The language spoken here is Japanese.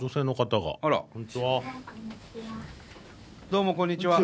どうもこんにちは。